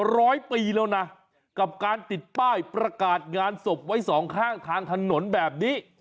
ร้อยปีแล้วนะกับการติดป้ายประกาศงานศพไว้สองข้างทางถนนแบบนี้